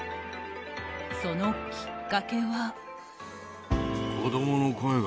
そのきっかけは。